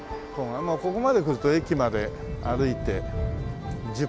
ここまで来ると駅まで歩いて１０分かな。